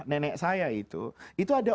nenek saya itu itu ada